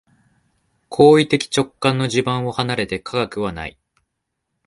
行為的直観の地盤を離れて科学はない。